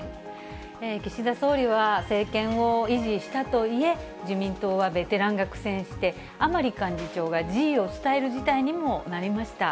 岸田総理は政権を維持したといえ、自民党はベテランが苦戦して、甘利幹事長が辞意を伝える事態にもなりました。